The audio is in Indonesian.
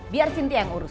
biar sintia yang urus